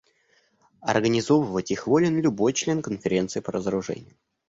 Организовывать их волен любой член Конференции по разоружению.